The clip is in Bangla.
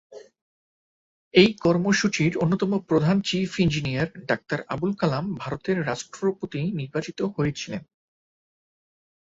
এই কর্মসূচির অন্যতম প্রধান চিফ ইঞ্জিনিয়ার ডাক্তার আব্দুল কালাম ভারতের রাষ্ট্রপতি নির্বাচিত হয়েছিলেন।